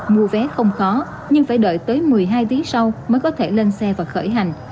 mua vé không khó nhưng phải đợi tới một mươi hai tiếng sau mới có thể lên xe và khởi hành